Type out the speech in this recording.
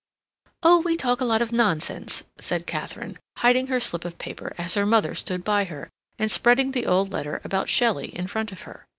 "Oh, we talk a lot of nonsense," said Katharine, hiding her slip of paper as her mother stood by her, and spreading the old letter about Shelley in front of her.